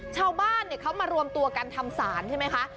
ชาวบ้านเขามารวมตัวกันทำศาลใช่ไหมคะ